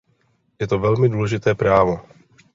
Je to velmi důležité právo.